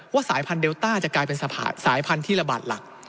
สายพันธุเดลต้าจะกลายเป็นสายพันธุ์ที่ระบาดหลัก